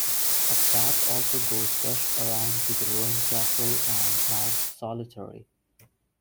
A track also goes west around to the Ruined Castle and Mount Solitary.